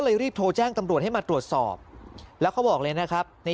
รีบโทรแจ้งตำรวจให้มาตรวจสอบแล้วเขาบอกเลยนะครับใน